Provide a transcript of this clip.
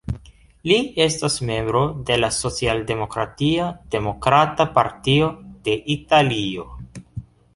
Li estas membro de la socialdemokratia Demokrata Partio de Italio.